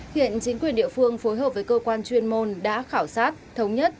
hiện chính quyền địa phương phối hợp với cơ quan chuyên môn đã khảo sát thống nhất